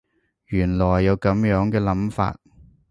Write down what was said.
原來有噉樣嘅諗法